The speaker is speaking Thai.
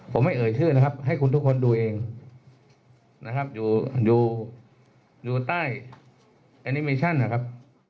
ผมไม่เอ่ยชื่อนะครับให้คุณทุกคนดูเองนะครับอยู่ใต้แอนิเมชั่นนะครับ